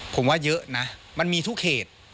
ผมว่าเยอะนะมันมีทุกเขต